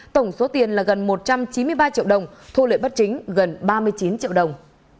tổng số tiền là gần một trăm chín mươi ba triệu đồng thô lệ bắt chính gần ba mươi chín triệu đồng